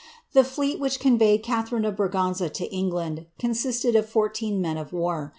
The fleet which conveyed Catliarine of Bragana to England consisted of fourteen men of war.